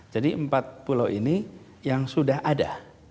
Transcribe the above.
jadi empat pulau ini yang sudah ada